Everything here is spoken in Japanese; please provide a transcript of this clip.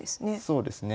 そうですね。